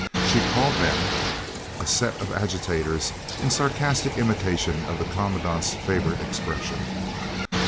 She called them a "set of agitators," in sarcastic imitation of the Commandant's favourite expression.